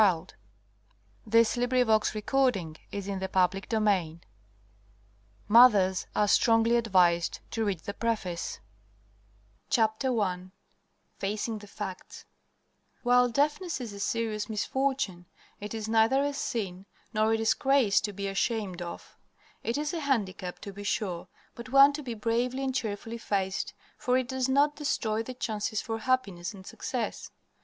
WHAT THE MOTHER OF A DEAF CHILD OUGHT TO KNOW (Mothers are strongly advised to read the Preface) I FACING THE FACTS While deafness is a serious misfortune, it is neither a sin, nor a disgrace, to be ashamed of. It is a handicap, to be sure, but one to be bravely and cheerfully faced, for it does not destroy the chances for happiness and success.